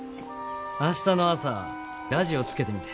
明日の朝ラジオつけてみて。